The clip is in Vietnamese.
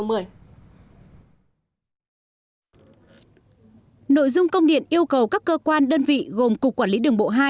nội dung công điện yêu cầu các cơ quan đơn vị gồm cục quản lý đường bộ hai